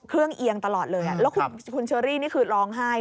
เครื่องเอียงตลอดเลยอ่ะแล้วคุณเชอรี่นี่คือร้องไห้